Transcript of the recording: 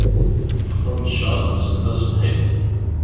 Qḍan-d ccɣel-nsen taṣebḥit.